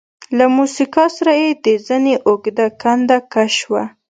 له موسکا سره يې د زنې اوږده کنده کش شوه.